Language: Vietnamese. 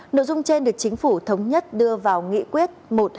nội dung trên được chính phủ thống nhất đưa vào nghị quyết một trăm hai mươi